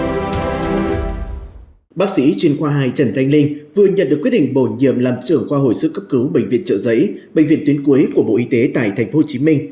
bác sĩ chuyên khoa hai trần thanh linh vừa nhận được quyết định bổ nhiệm làm trưởng khoa hồi sức cấp cứu bệnh viện trợ giấy bệnh viện tuyến cuối của bộ y tế tại tp hcm